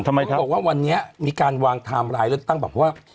เขาบอกว่าวันนี้มีการวางไทม์ไลน์เลือกตั้งแบบว่า